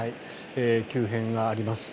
急変があります。